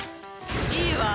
いいわ。